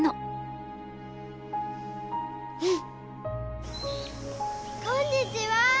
うん！こんにちは！